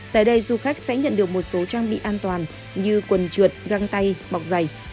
tại đây du khách sẽ nhận được một số trang bị an toàn như quần trượt găng tay bọc dày